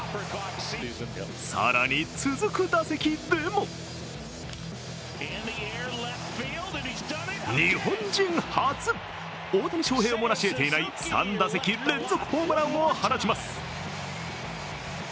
更に続く打席でも日本人初、大谷翔平もなし得ていない３打席連続ホームランを放ちます。